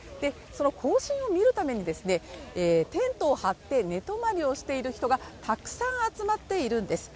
行進を見るためにテントを張って寝泊まりをする人がたくさん集まっているんです。